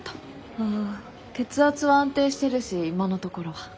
ああ血圧は安定してるし今のところは。